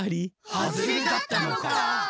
はずれだったのか。